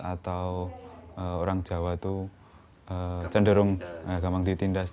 atau orang jawa itu cenderung gampang ditindas